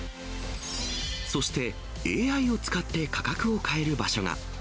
そしてＡＩを使って価格を変える場所が。